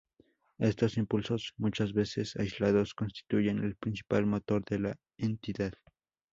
Estos impulsos, muchas veces aislados, constituyen el principal motor de la entidad.